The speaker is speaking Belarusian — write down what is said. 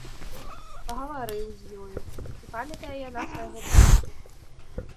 Пагаварыў з ёю, ці памятае яна свайго бацьку.